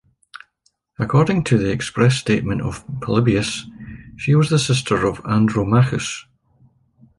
According to the express statement of Polybius, she was the sister of Andromachus.